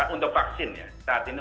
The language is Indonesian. untuk vaksin ya saat ini